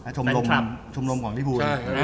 คุณแมนครับชมรมของลิฟภูมิ